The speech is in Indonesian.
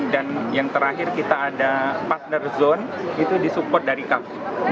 dan yang terakhir kita ada partner zone itu disupport dari kap